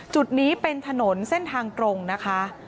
จุดนี้เป็นถนนเส้นทางตรงนะคะ